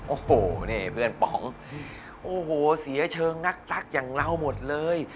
โอ้โหนี่เพื่อนป๋องโอ้โหเสียเชิงนักรักอย่างเราหมดเลย